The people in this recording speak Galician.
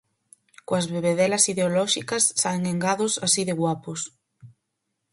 Coas bebedelas ideolóxicas saen engados así de guapos.